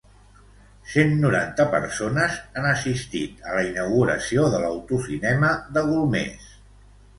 Cent noranta persones han assistit a la inauguració de l'Autocinema de Golmés.